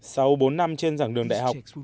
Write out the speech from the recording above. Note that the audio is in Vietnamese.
sau bốn năm trên dạng đường đại học